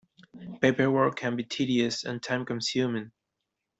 Paperwork can be tedious and time-consuming.